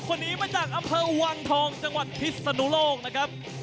คนนี้มาจากอำเภอวังทองจังหวัดพิศนุโลกนะครับ